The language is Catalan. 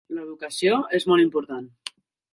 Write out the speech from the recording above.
L'educació és molt important.